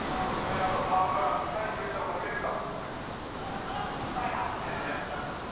サーブからいかにプレッシャーをかけられるか。